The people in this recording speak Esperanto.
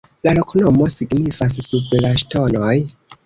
La loknomo signifas: "sub la ŝtonoj".